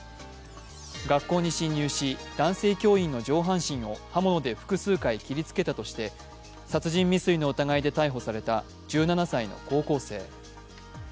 学校に侵入し、男性教員の上半身を刃物で複数回切りつけたとして殺人未遂の疑いで逮捕された１７歳の高校生。